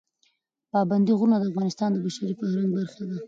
پابندی غرونه د افغانستان د بشري فرهنګ برخه ده.